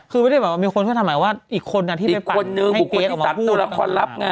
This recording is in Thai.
คือไม่ได้บอกว่ามีคนเข้าทางหมายว่าอีกคนน่ะที่ไปปั่นให้เก๊สออกมาพูดอีกคนนึงผู้ที่สัดตัวละครรับไง